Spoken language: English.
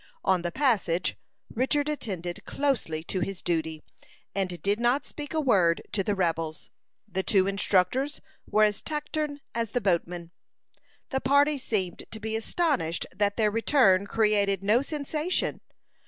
On the passage, Richard attended closely to his duty, and did not speak a word to the rebels. The two instructors were as taciturn as the boatman. The party seemed to be astonished that their return created no sensation.